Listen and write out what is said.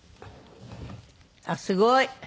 あっすごい。